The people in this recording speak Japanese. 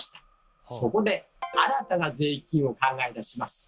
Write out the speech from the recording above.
そこで新たな税金を考え出します。